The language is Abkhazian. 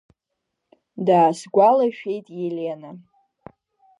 Даасгәалашәеит Елена.